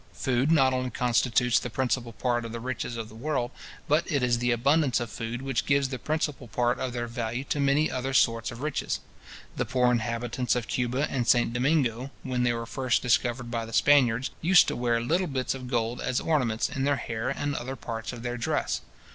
Food not only constitutes the principal part of the riches of the world, but it is the abundance of food which gives the principal part of their value to many other sorts of riches. The poor inhabitants of Cuba and St. Domingo, when they were first discovered by the Spaniards, used to wear little bits of gold as ornaments in their hair and other parts of their dress.